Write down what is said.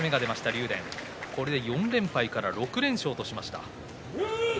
竜電、これで４連敗から６連勝としました。